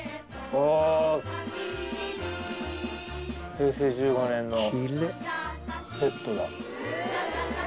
平成１５年のセットだ。